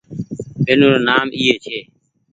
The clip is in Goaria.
ونوري نآم ايئي ڇي